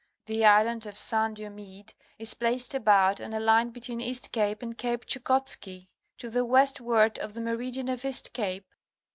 The Island of St. Diomide is placed about on a line between East Cape and Cape Chukotski, to the westward of the meridian of East Cape.